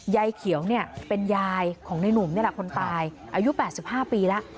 ยายเขียวเนี่ยเป็นยายของในหนุ่มนี่แหละคนตายอายุ๘๕ปีแล้ว